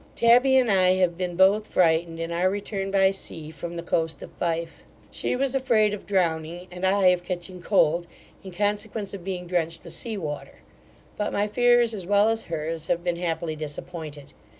Tabby and I have been both frightened in our return by sea from the coast of Fife She was afraid of drowning, and I of catching cold, in consequence of being drenched with sea water; but my fears as well as hers, have been happily disappointed.